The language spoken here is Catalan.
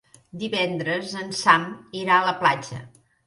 Divendres en Sam irà a la platja.